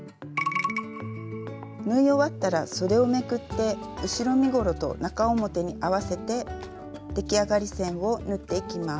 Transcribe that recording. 縫い終わったらそでをめくって後ろ身ごろと中表に合わせて出来上がり線を縫っていきます。